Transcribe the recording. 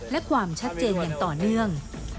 และความชัดเจนอย่างต่อเนื่อง